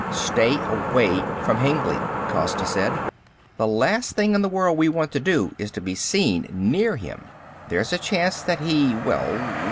Stay away from Hengly," Costa said. "The last thing in the world we want to do, is to be seen near him. There's a chance that he ... well